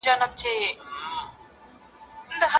د غم سندره